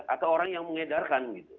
atau orang yang mengedarkan gitu